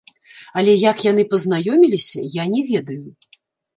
Але як яны пазнаёміліся, я не ведаю.